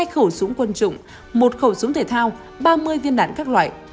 hai khẩu súng quân dụng một khẩu súng thể thao ba mươi viên đạn các loại